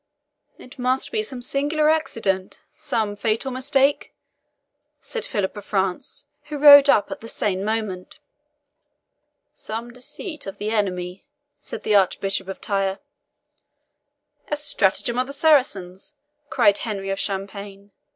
"It must be some singular accident some fatal mistake," said Philip of France, who rode up at the same moment. "Some deceit of the Enemy," said the Archbishop of Tyre. "A stratagem of the Saracens," cried Henry of Champagne.